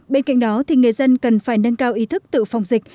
bên cạnh đó người dân cần phải nâng cao ý thức tự phòng dịch